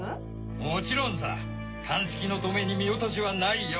もちろんさ鑑識のトメに見落としはないよ。